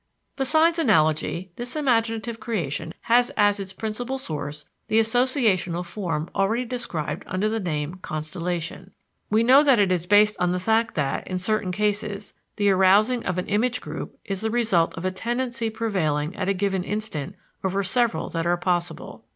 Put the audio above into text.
Besides analogy, this imaginative creation has as its principal source the associational form already described under the name "constellation." We know that it is based on the fact that, in certain cases, the arousing of an image group is the result of a tendency prevailing at a given instant over several that are possible.